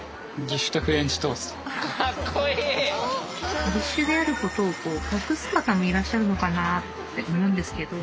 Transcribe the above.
義手であることを隠す方もいらっしゃるのかなと思うんですけど。